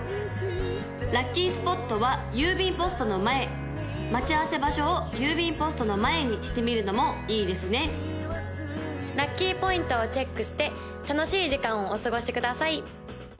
・ラッキースポットは郵便ポストの前待ち合わせ場所を郵便ポストの前にしてみるのもいいですね・ラッキーポイントをチェックして楽しい時間をお過ごしください！